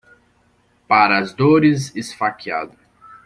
Para as dores, esfaqueado.